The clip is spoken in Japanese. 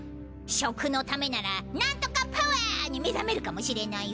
食のためなら何とかパワー！に目覚めるかもしれないよ？